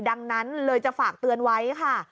ดังนั้นเลยจะฝากเตือนไว้ค่ะ